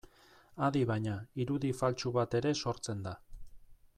Adi baina, irudi faltsu bat ere sortzen da.